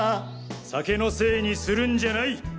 酒のせいにするんじゃない！